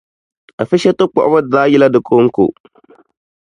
Afishetu kpuɣibu daa yila di konko.